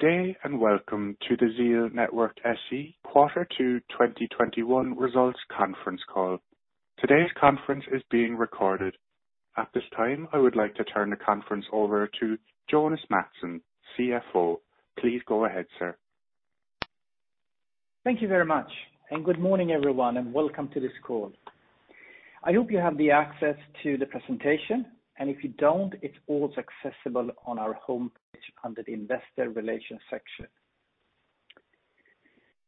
Good day and welcome to the ZEAL Network SE Quarter Two 2021 results conference call. Today's conference is being recorded. At this time, I would like to turn the conference over to Jonas Mattsson, CFO. Please go ahead, sir. Thank you very much, and good morning, everyone, and welcome to this call. I hope you have the access to the presentation, and if you don't, it's also accessible on our homepage under the investor relations section.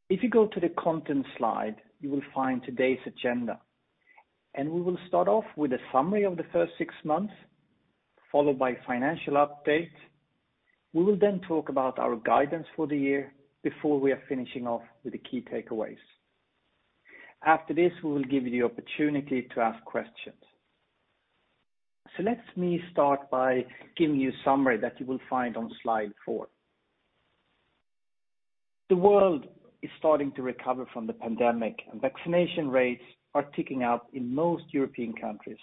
If you go to the content slide, you will find today's agenda, and we will start off with a summary of the first six months, followed by financial update. We will then talk about our guidance for the year before we are finishing off with the key takeaways. After this, we will give you the opportunity to ask questions. Let me start by giving you a summary that you will find on slide four. The world is starting to recover from the pandemic, and vaccination rates are ticking up in most European countries.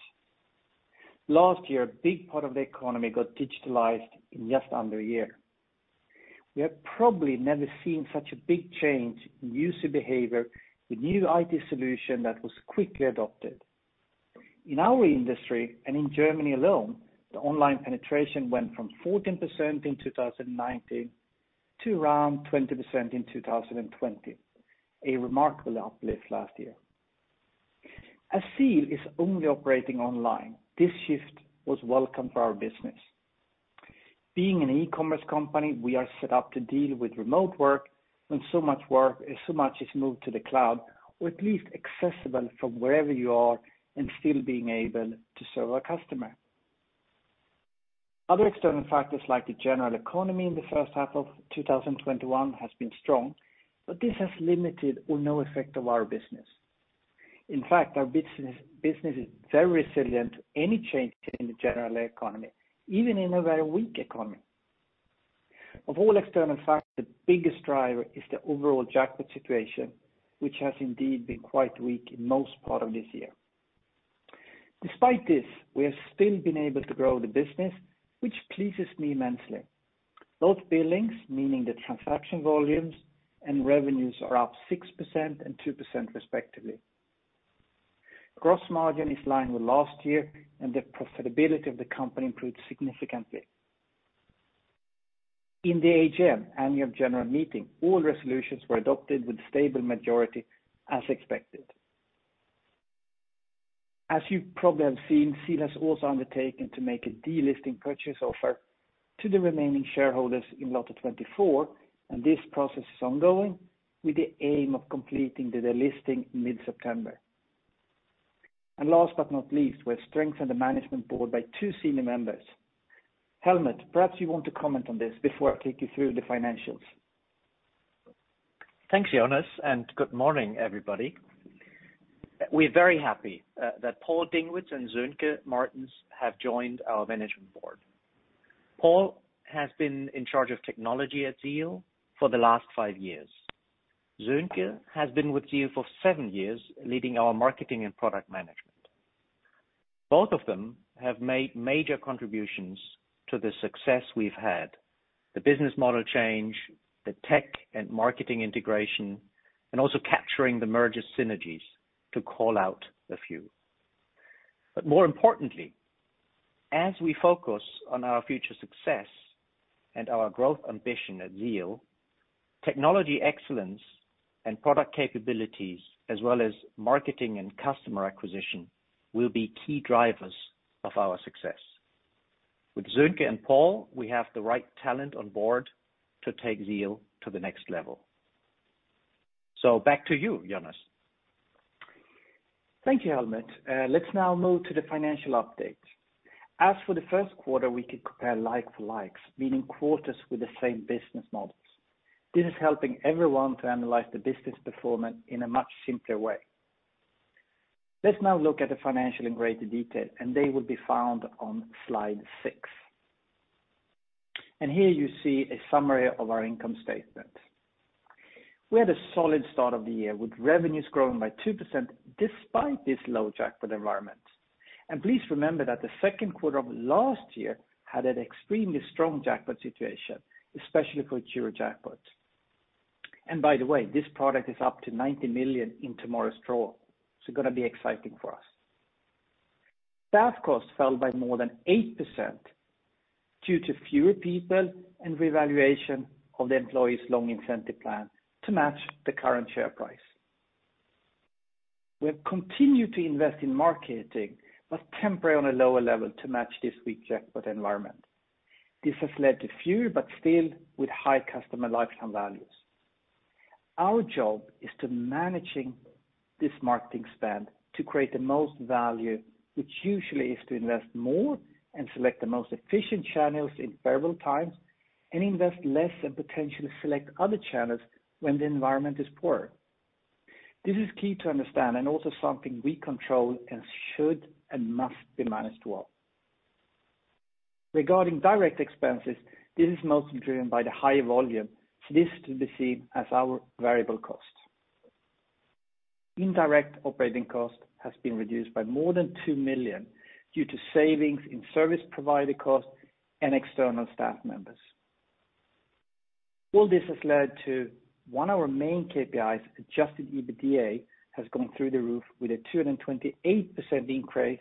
Last year, a big part of the economy got digitalized in just under a year. We have probably never seen such a big change in user behavior with new IT solution that was quickly adopted. In our industry, and in Germany alone, the online penetration went from 14% in 2019 to around 20% in 2020. A remarkable uplift last year. As ZEAL is only operating online, this shift was welcome for our business. Being an e-commerce company, we are set up to deal with remote work when so much is moved to the cloud, or at least accessible from wherever you are and still being able to serve our customer. Other external factors like the general economy in the first half of 2021 has been strong, but this has limited or no effect of our business. In fact, our business is very resilient to any changes in the general economy, even in a very weak economy. Of all external factors, the biggest driver is the overall jackpot situation, which has indeed been quite weak in most part of this year. Despite this, we have still been able to grow the business, which pleases me immensely. Both billings, meaning the transaction volumes, and revenues are up 6% and 2% respectively. Gross margin is line with last year, and the profitability of the company improved significantly. In the AGM, annual general meeting, all resolutions were adopted with stable majority as expected. As you probably have seen, ZEAL has also undertaken to make a delisting purchase offer to the remaining shareholders in Lotto24, and this process is ongoing with the aim of completing the delisting mid-September. Last but not least, we have strengthened the management board by two senior members. Helmut, perhaps you want to comment on this before I take you through the financials. Thanks, Jonas, and good morning, everybody. We're very happy that Paul Dingwitz and Sönke Martens have joined our management board. Paul has been in charge of technology at ZEAL for the last five years. Sönke has been with ZEAL for seven years, leading our marketing and product management. Both of them have made major contributions to the success we've had, the business model change, the tech and marketing integration, and also capturing the merger synergies to call out a few. More importantly, as we focus on our future success and our growth ambition at ZEAL, technology excellence and product capabilities, as well as marketing and customer acquisition, will be key drivers of our success. With Sönke and Paul, we have the right talent on board to take ZEAL to the next level. Back to you, Jonas. Thank you, Helmut. Let's now move to the financial update. As for the first quarter, we could compare like for likes, meaning quarters with the same business models. This is helping everyone to analyze the business performance in a much simpler way. Let's now look at the financial in greater detail, they will be found on slide six. Here you see a summary of our income statement. We had a solid start of the year with revenues growing by 2% despite this low jackpot environment. Please remember that the second quarter of last year had an extremely strong jackpot situation, especially for EuroJackpot. By the way, this product is up to 90 million in tomorrow's draw. Going to be exciting for us. Staff costs fell by more than 8% due to fewer people and revaluation of the employees' long incentive plan to match the current share price. We have continued to invest in marketing, but temporarily on a lower level to match this weak jackpot environment. This has led to fewer but still with high customer lifetime values. Our job is to managing this marketing spend to create the most value, which usually is to invest more and select the most efficient channels in favorable times, and invest less and potentially select other channels when the environment is poor. This is key to understand and also something we control and should and must be managed well. Regarding direct expenses, this is mostly driven by the high volume, so this to be seen as our variable cost. Indirect operating cost has been reduced by more than 2 million due to savings in service provider costs and external staff members. All this has led to one of our main KPIs, Adjusted EBITDA, has gone through the roof with a 228%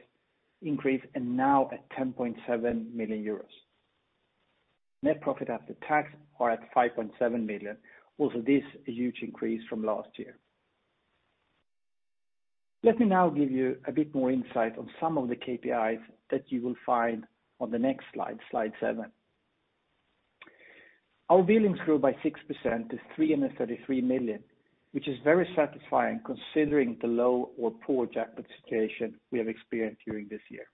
increase, and now at 10.7 million euros. Net profit after tax are at 5.7 million. Also this, a huge increase from last year. Let me now give you a bit more insight on some of the KPIs that you will find on the next slide seven. Our billings grew by 6% to 333 million, which is very satisfying considering the low or poor jackpot situation we have experienced during this year.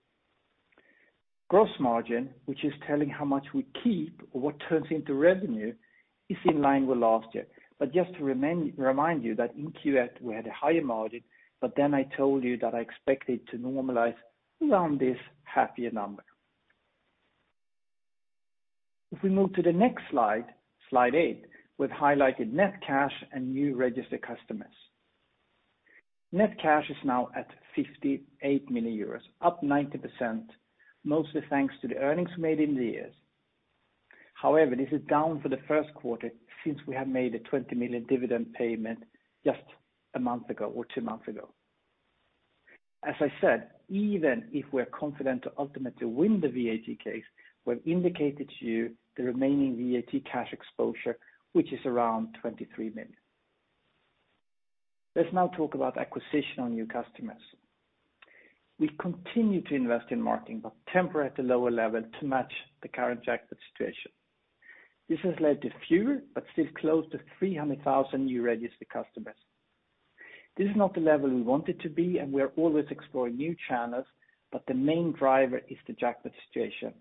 Gross margin, which is telling how much we keep or what turns into revenue, is in line with last year. Just to remind you that in Q1 we had a higher margin, I told you that I expect it to normalize around this happier number. If we move to the next slide eight, with highlighted net cash and new registered customers. Net cash is now at 58 million euros, up 90%, mostly thanks to the earnings made in the years. This is down for the first quarter since we have made a 20 million dividend payment just a month ago or two months ago. As I said, even if we're confident to ultimately win the VAT case, we've indicated to you the remaining VAT cash exposure, which is around 23 million. Let's now talk about acquisition on new customers. We continue to invest in marketing, but temporarily at a lower level to match the current jackpot situation. This has led to fewer but still close to 300,000 new registered customers. This is not the level we want it to be, and we are always exploring new channels, but the main driver is the jackpot situation,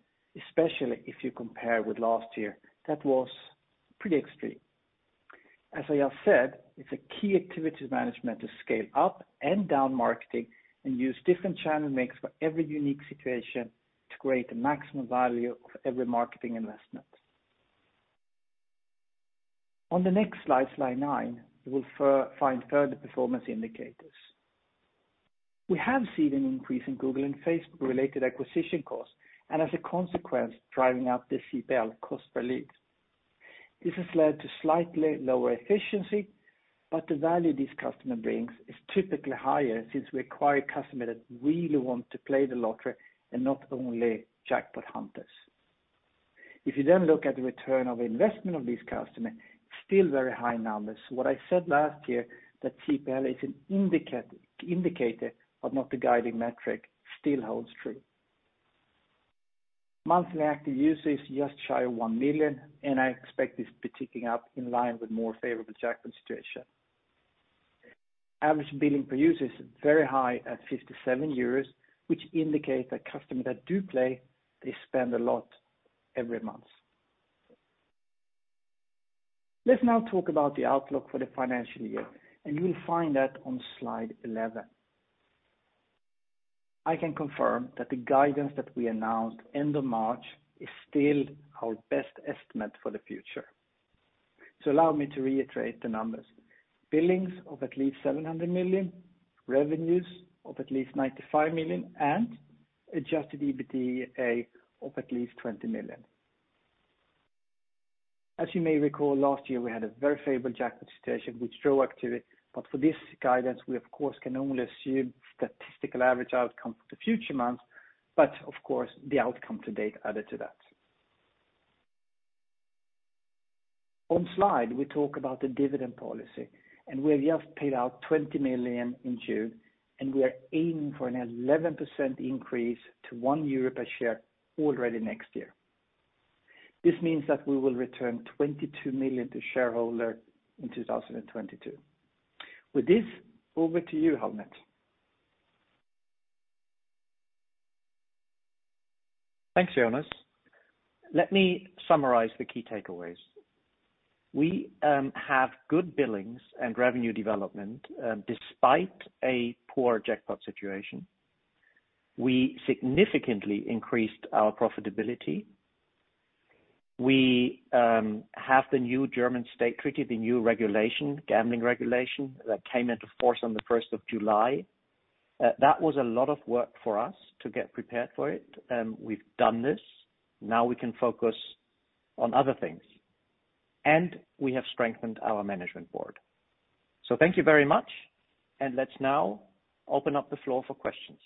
especially if you compare with last year. That was pretty extreme. As I have said, it's a key activity management to scale up and down marketing and use different channel mix for every unique situation to create the maximum value of every marketing investment. On the next slide nine, you will find further performance indicators. We have seen an increase in Google and Facebook-related acquisition costs, and as a consequence, driving up the CPL, cost per lead. This has led to slightly lower efficiency, but the value this customer brings is typically higher since we acquire a customer that really want to play the lottery and not only jackpot hunters. If you then look at the return of investment of these customers, still very high numbers. What I said last year, that CPL is an indicator but not the guiding metric, still holds true. Monthly active users just shy of one million, and I expect this to be ticking up in line with more favorable jackpot situation. Average billing per user is very high at 57 euros, which indicates that customers that do play, they spend a lot every month. Let's now talk about the outlook for the financial year, and you will find that on slide 11. I can confirm that the guidance that we announced end of March is still our best estimate for the future. Allow me to reiterate the numbers. Billings of at least 700 million, revenues of at least 95 million, and Adjusted EBITDA of at least 20 million. As you may recall, last year, we had a very favorable jackpot situation with draw activity. For this guidance, we of course can only assume statistical average outcome for the future months, but of course, the outcome to date added to that. On slide, we talk about the dividend policy, and we have just paid out 20 million in June, and we are aiming for an 11% increase to 1 euro per share already next year. This means that we will return 22 million to shareholders in 2022. With this, over to you, Dr. Helmut Becker. Thanks, Jonas. Let me summarize the key takeaways. We have good billings and revenue development despite a poor jackpot situation. We significantly increased our profitability. We have the new German State Treaty, the new regulation, gambling regulation that came into force on the July 1st. That was a lot of work for us to get prepared for it. We've done this. We can focus on other things. We have strengthened our management board. Thank you very much. Let's now open up the floor for questions.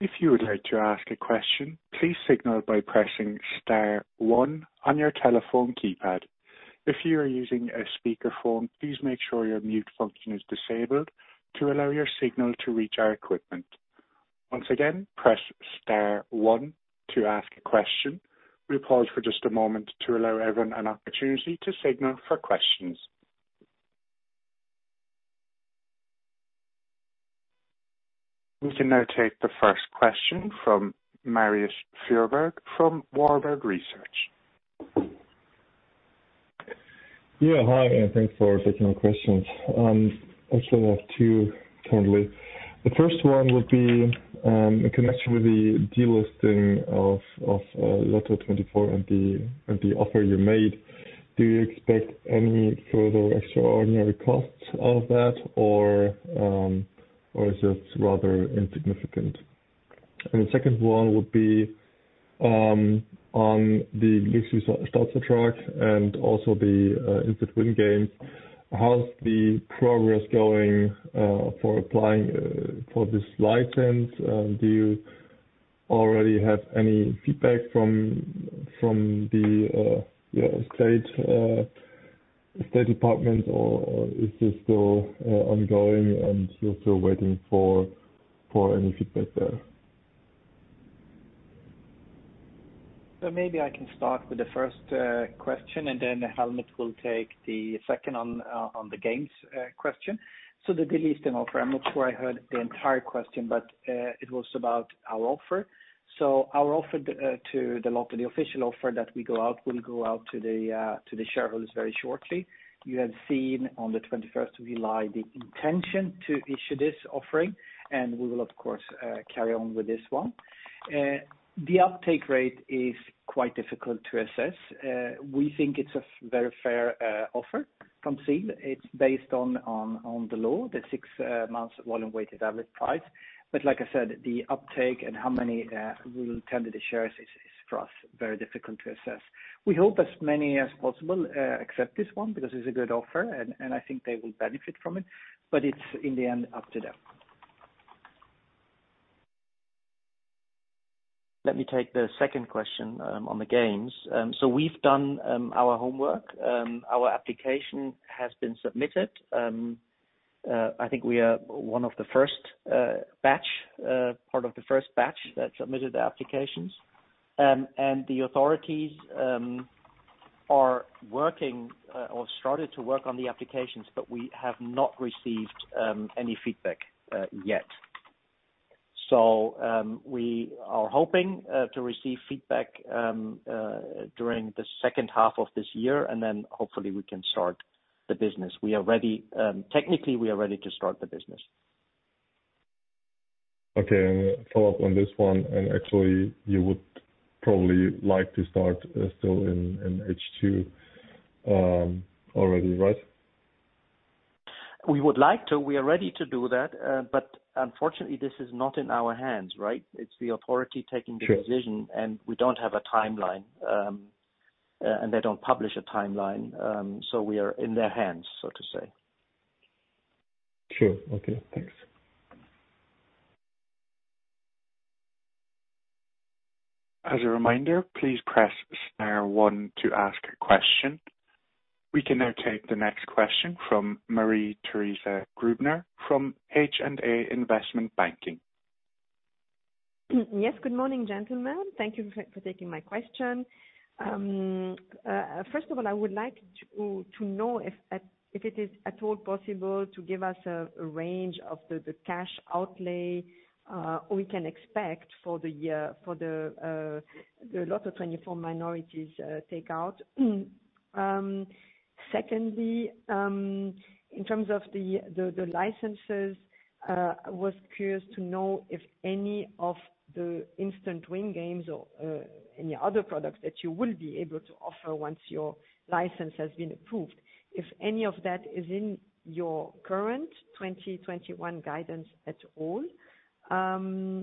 If you would like to ask a question, please signal by pressing star one on your telephone keypad. If you are using a speakerphone, please make sure your mute function is disabled to allow your signal to reach our equipment. Once again, press star one to ask a question. We'll pause for just a moment to allow everyone an opportunity to signal for questions. We can now take the first question from Marius Fuhrberg from Warburg Research. Hi, thanks for taking my questions. Actually, I have two currently. The first one would be in connection with the delisting of Lotto24 and the offer you made. Do you expect any further extraordinary costs of that, or is this rather insignificant? The second one would be on the [Glücksspielstaatsvertrag] and also the instant win games. How's the progress going for applying for this license? Do you already have any feedback from the state department, or is this still ongoing and you're still waiting for any feedback there? Maybe I can start with the first question, and then Helmut will take the second on the games question. The delisting offer, I'm not sure I heard the entire question, but it was about our offer. Our offer to the lotto, the official offer that we go out will go out to the shareholders very shortly. You have seen on the July 21st the intention to issue this offering. We will, of course, carry on with this one. The uptake rate is quite difficult to assess. We think it's a very fair offer from ZEAL. It's based on the law, the six months volume-weighted average price. Like I said, the uptake and how many will tender the shares is for us very difficult to assess. We hope as many as possible accept this one because it's a good offer, and I think they will benefit from it, but it's in the end up to them. Let me take the second question on the games. We've done our homework. Our application has been submitted. I think we are one of the first batch, part of the first batch that submitted the applications. The authorities are working or started to work on the applications, but we have not received any feedback yet. We are hoping to receive feedback during the second half of this year, and then hopefully we can start the business. Technically, we are ready to start the business. Okay. Follow-up on this one. Actually, you would probably like to start still in H2 already, right? We would like to. We are ready to do that. Unfortunately, this is not in our hands, right. It's the authority taking the decision. Sure We don't have a timeline. They don't publish a timeline. We are in their hands, so to say. Sure. Okay, thanks. As a reminder, please press star one to ask a question. We can now take the next question from Marie-Thérèse Grübner from H&A Investment Banking. Yes. Good morning, gentlemen. Thank you for taking my question. First of all, I would like to know if it is at all possible to give us a range of the cash outlay we can expect for the Lotto24 minorities take out. Secondly, in terms of the licenses, I was curious to know if any of the instant win games or any other products that you will be able to offer once your license has been approved. If any of that is in your current 2021 guidance at all. Thirdly,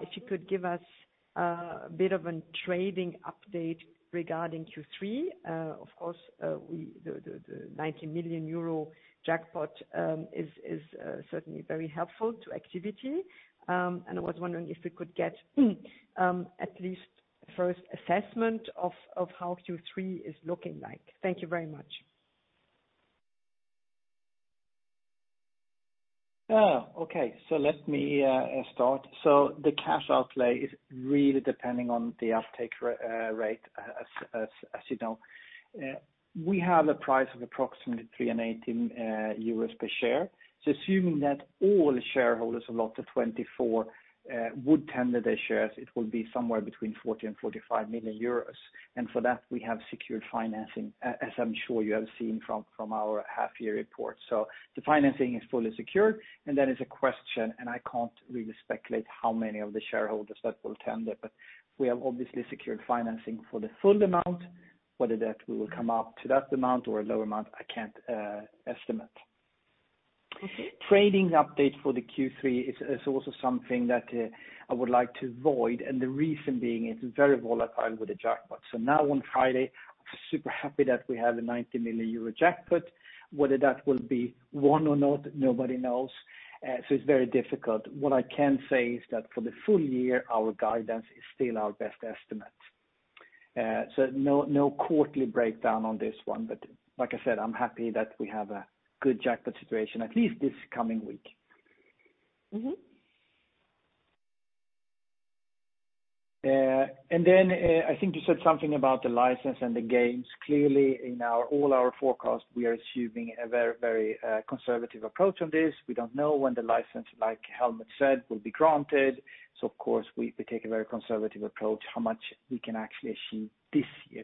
if you could give us a bit of a trading update regarding Q3. Of course, the 90 million euro jackpot is certainly very helpful to activity. I was wondering if we could get at least first assessment of how Q3 is looking like. Thank you very much. Okay. Let me start. The cash outlay is really depending on the uptake rate, as you know. We have a price of approximately 3.18 euros per share. Assuming that all shareholders of Lotto24 would tender their shares, it will be somewhere between 40 million-45 million euros. For that, we have secured financing, as I'm sure you have seen from our half-year report. The financing is fully secured, and that is a question, and I can't really speculate how many of the shareholders that will tender. We have obviously secured financing for the full amount. Whether that will come up to that amount or a lower amount, I can't estimate. Trading update for the Q3 is also something that I would like to avoid, and the reason being it's very volatile with the jackpot. Now on Friday, I'm super happy that we have a 90 million euro jackpot. Whether that will be won or not, nobody knows. It's very difficult. What I can say is that for the full year, our guidance is still our best estimate. No quarterly breakdown on this one, but like I said, I'm happy that we have a good jackpot situation, at least this coming week. I think you said something about the license and the games. Clearly in all our forecasts, we are assuming a very conservative approach on this. We don't know when the license, like Helmut said, will be granted. Of course we take a very conservative approach how much we can actually achieve this year.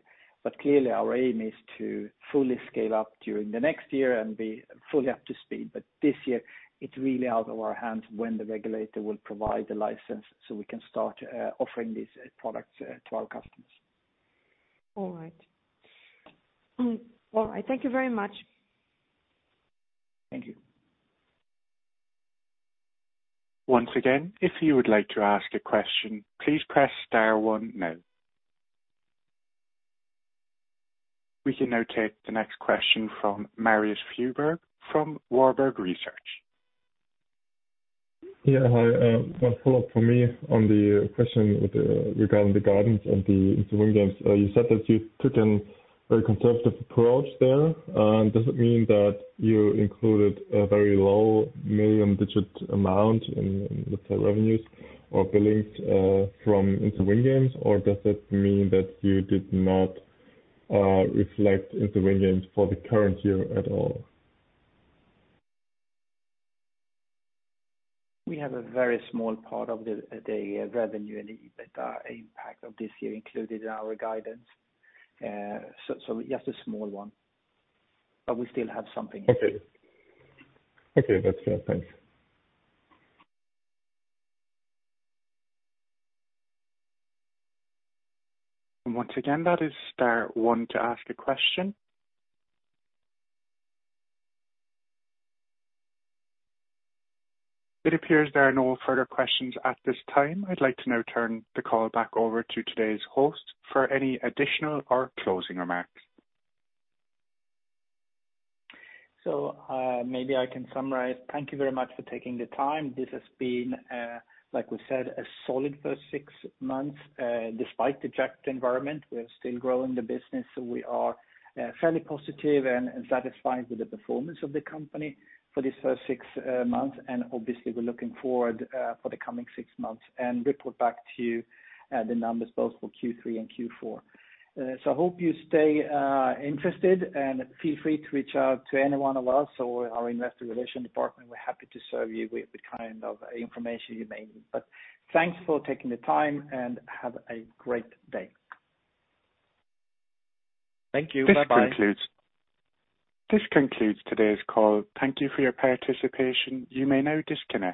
Clearly our aim is to fully scale up during the next year and be fully up to speed. This year, it's really out of our hands when the regulator will provide the license so we can start offering these products to our customers. All right. Thank you very much. Thank you. Once again, if you would like to ask a question, please press star one now. We can now take the next question from Marius Fuhrberg from Warburg Research. Hi, one follow-up from me on the question regarding the guidance and the instant win games. You said that you took a very conservative approach there. Does it mean that you included a very low million digit amount in EBITDA revenues or billings from instant win games, or does it mean that you did not reflect instant win games for the current year at all? We have a very small part of the revenue and EBITDA impact of this year included in our guidance. Just a small one, but we still have something. Okay. That's clear. Thanks. Once again, that is star one to ask a question. It appears there are no further questions at this time. I'd like to now turn the call back over to today's host for any additional or closing remarks. Maybe I can summarize. Thank you very much for taking the time. This has been, like we said, a solid first six months. Despite the checked environment, we are still growing the business, so we are fairly positive and satisfied with the performance of the company for this first six months. Obviously we're looking forward for the coming six months and report back to you the numbers both for Q3 and Q4. Hope you stay interested and feel free to reach out to any one of us or our investor relation department. We're happy to serve you with the kind of information you may need. Thanks for taking the time, and have a great day. Thank you. Bye-bye. This concludes today's call. Thank you for your participation. You may now disconnect.